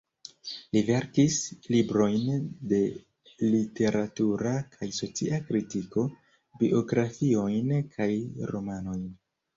Li verkis librojn de literatura kaj socia kritiko, biografiojn kaj romanojn.